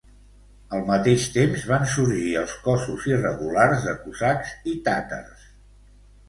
Al mateix temps, van sorgir els cossos irregulars de cosacs i tàtars.